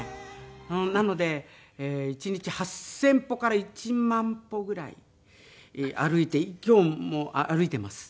なので１日８０００歩から１万歩ぐらい歩いて今日も歩いてます。